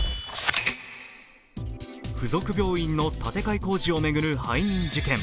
付属病院の建て替え工事を巡る背任事件。